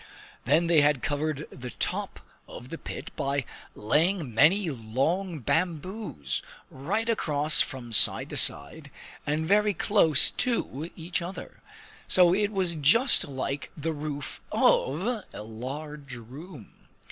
Then they had covered the top of the pit by laying many long bamboos right across from side to side and very close to each other; so it was just like the roof of a large room.